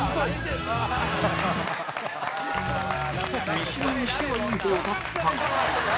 三島にしてはいい方だったが